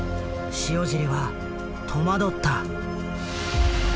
塩尻は戸惑った。